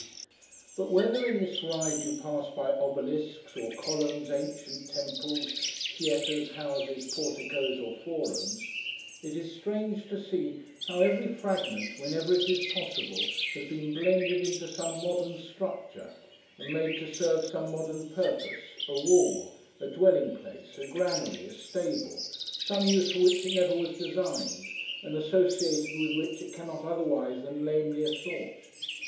But whether, in this ride, you pass by obelisks, or columns ancient temples, theatres, houses, porticoes, or forums: it is strange to see, how every fragment, whenever it is possible, has been blended into some modern structure, and made to serve some modern purpose—a wall, a dwelling place, a granary, a stable—some use for which it never was designed, and associated with which it cannot otherwise than lamely assort.